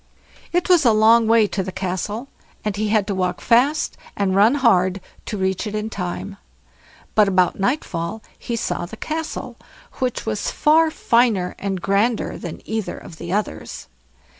It was a long way to the Castle, and he had to walk fast and run hard to reach it in time; but about night fall he saw the Castle, which was far finer and grander than either of the others.